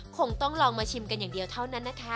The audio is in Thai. คงต้องลองมาชิมกันอย่างเดียวเท่านั้นนะคะ